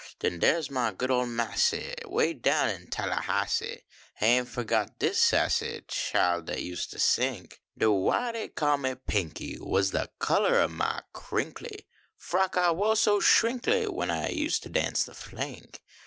Den dars my good ol massa Way down in Tallahassie. He ain t fo got dis sassie Chile dat used to sing. De why he call me " Pinkey " Was de colluh oh my crinky Frock I wore so shrinky When I use to dance de fling.